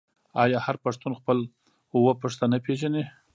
آیا هر پښتون خپل اوه پيښته نه پیژني؟